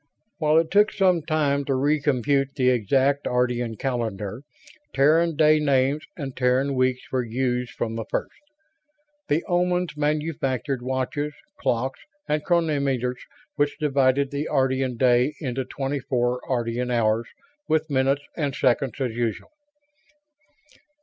While it took some time to recompute the exact Ardrian calendar, Terran day names and Terran weeks were used from the first. The Omans manufactured watches, clocks, and chronometers which divided the Ardrian day into twenty four Ardrian hours, with minutes and seconds as usual.